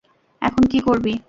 এখন কী করবি?